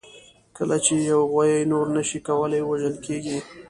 کله چې یوه غویي نور نه شي کولای، وژل کېږي.